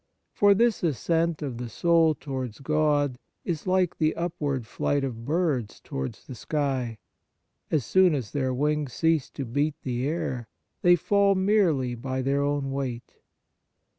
For this ascent of the soul towards God is like the upward flight of birds towards the sky : as soon as their wings cease to beat the air, they fall merely by their own weight.